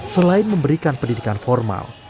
selain memberikan pendidikan formal